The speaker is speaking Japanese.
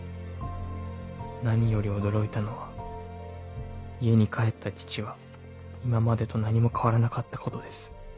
何より驚いたのは家に帰った父は今までと何も変わらなかったことです。